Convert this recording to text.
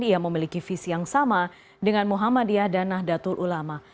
ia memiliki visi yang sama dengan muhammadiyah dan nahdlatul ulama